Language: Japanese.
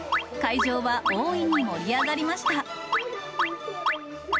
会場は大いに盛り上がりました。